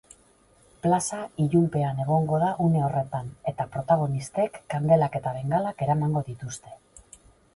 Plaza ilunpean egongo da une horretan eta protagonistek kandelak eta bengalak eramango dituzte.